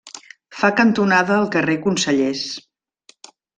Fa cantonada al carrer Consellers.